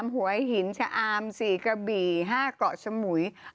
หัวหินชะอาม๔กระบี่๕เกาะสมุย